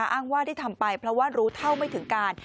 อ้างว่าที่ทำไปเพราะว่ารู้เท่าไม่ถึงการ